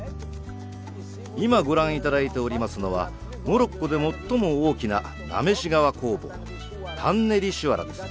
今ご覧頂いておりますのはモロッコで最も大きななめし革工房タンネリ・シュワラです。